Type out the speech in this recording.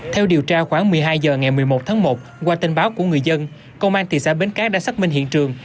theo điều tra khoảng một mươi hai h ngày một mươi một tháng một qua tin báo của người dân công an thị xã bến cát đã xác minh hiện trường